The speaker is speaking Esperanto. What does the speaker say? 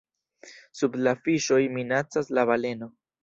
Sub la Fiŝoj, minacas la Baleno.